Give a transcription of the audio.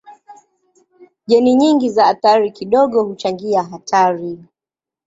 Jeni nyingi za athari kidogo huchangia hatari.